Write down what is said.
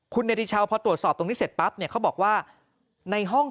คุณเนธิเช้าพอตรวจสอบตรงนี้เสร็จปั๊บเนี่ยเขาบอกว่าในห้อง